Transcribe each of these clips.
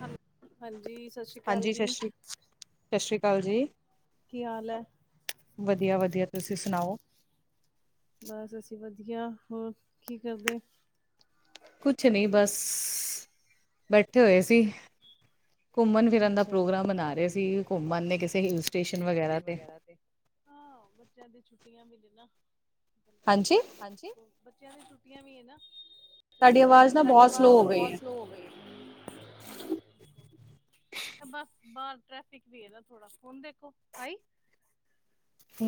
Hello, ਹਾਂਜੀ ਸਤਿ ਸ੍ਰੀ ਅਕਾਲ ਜੀ। ਕੀ ਹਾਲ ਐ? ਵਧੀਆ ਵਧੀਆ ਤੁਸੀਂ ਸੁਣਾਓ਼? ਬਸ ਅਸੀਂ ਵਧੀਆ ਹੋਰ ਕੀ ਕਰਦੇ। ਕੁਛ ਨੀ ਬਸ ਬੈਠੇ ਹੋਏ ਸੀ। ਘੁੰਮਣ ਫਿਰਨ ਦਾ ਪ੍ਰੋਗਰਾਮ ਬਣਾ ਰਹੇ ਸੀ ਘੁੰਮਣ ਨੇ ਕਿਸੇ ਵਗੈਰਾ ਤੇ ਹਾਂ, ਬੱਚਿਆਂ ਦੀ ਛੁੱਟੀਆਂ ਵੀ ਨੇ ਨਾ ਹਾਂਜੀ, ਬੱਚਿਆਂ ਦੀਆ ਛੁੱਟੀਆਂ ਵੀ ਐ ਨਾ। ਤੇ ਬੰਦਾ ਕਹਿੰਦਾ ਤੁਹਾਡੀ ਆਵਾਜ਼ ਨਾ ਬਹੁਤ ਸਲੋਅ ਹੋ ਗਈ ਐ। ਬਸ ਬਾਹਰ ਟ੍ਰੈਫਿਕ ਵੀ ਐ ਨਾ ਥੋੜਾ ਹੁਣ ਦੇਖੋ ਆਈ।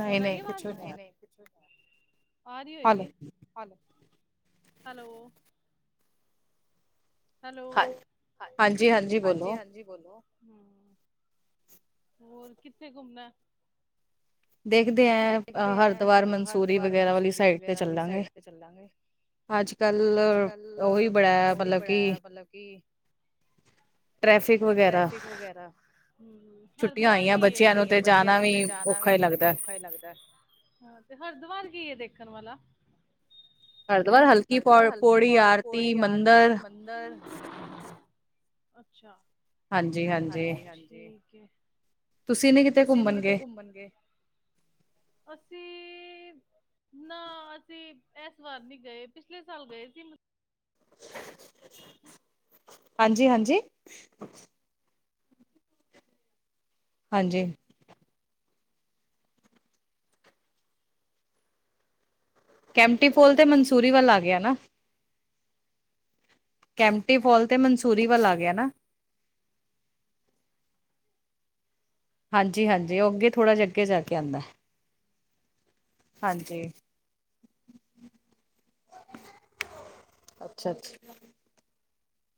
ਹੁਣ ਆਈ ਆਵਾਜ਼ ਨਹੀਂ ਨਹੀਂ ਆ ਰਹੀ ਹੋਏਗੀ ਹੈਲੋ, ਹੈਲੋ, ਹਾਂਜੀ ਹਾਂਜੀ ਬੋਲੋ ਹੂੰ ਹੋਰ ਕਿੱਥੇ ਘੁੰਮਣਾ? ਕੀ ਦੇਖਦੇ ਆ, ਹਰਿਦੁਵਾਰ ਮਨਸੂਰੀ ਵਗੈਰਾ ਵਾਲੀ ਸਾਈਡ ਤੇ ਚੱਲਾਂਗੇ। ਅੱਜ-ਕੱਲ ਉਹੀ ਬੜਾ ਮਤਲਬ ਕਿ ਟ੍ਰੈਫਿਕ, ਟ੍ਰੈਫਿਕ ਵਗੈਰਾ ਹੂੰ, ਹਰਿਦੁਆਰ ਕੀ ਆਈ ਆ ਬੱਚਿਆਂ ਨੂੰ ਤੇ ਜਾਣਾ ਵੀ ਔਖਾ ਈ ਲੱਗਦਾ। ਹਾਂ, ਤੇ ਹਰਿਦੁਆਰ ਕੀ ਹੈ ਦੇਖਣ ਵਾਲਾ। ਹਰਿਦੁਆਰ [unintelligible] ਹਰਿਦੁਵਾਰ ਹਰ ਕੀ ਪੌੜੀ, ਆਰਤੀ, ਮੰਦਿਰ ਅੱਛਾ। ਹਾਂਜੀ-ਹਾਂਜੀ, ਹਾਂਜੀ-ਹਾਂਜੀ, ਤੁਸੀਂ ਨਹੀਂ ਕਿਤੇ ਘੁੰਮਣਗੇ, ਅਸੀ ਨਾ ਅਸੀਂ ਇਸ ਵਾਰ ਨਹੀਂ ਗਏ, ਪਿਛਲੇ ਸਾਲ ਗਏ ਸੀ। ਹਾਂਜੀ-ਹਾਂਜੀ। ਹਾਂਜੀ, ਕੈਂਮਟੀ ਫੋਲ ਤੇ ਮਨਸੂਰੀ ਵੱਲ ਆ ਗਿਆ ਨਾ, ਕੈਂਮਟੀ ਫੋਲ ਤੇ ਮਨਸੂਰੀ ਵੱਲ ਆ ਗਿਆ ਨਾ। ਹਾਂਜੀ, ਹਾਂਜੀ ਉਹ ਅੱਗੇ ਥੋੜ੍ਹਾ ਜਿਹਾ ਅੱਗੇ ਜਾ ਕੇ ਆਦਾ। ਹਾਂਜੀ, ਅੱਛਾ-ਅੱਛਾ।